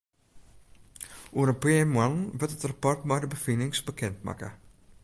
Oer in pear moannen wurdt it rapport mei de befinings bekend makke.